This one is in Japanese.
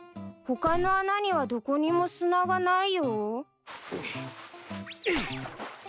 他の穴にはどこにも砂がないよ。